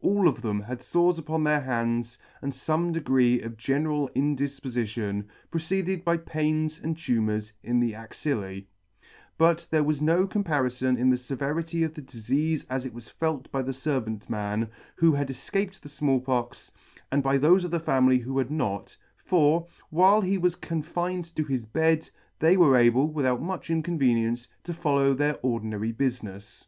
All of them had fores upon their hands, and fome degree of general indifpofition, preceded by pains and tumours in the axillae : but there was no comparifon in the feverity of the difeafe as it was felt by the fervant man, who had efcaped the Small Pox, and by thofe of the family who had not ; for, while he was confined to his bed, they were able, without much inconvenience, to follow their ordinary bufinefs.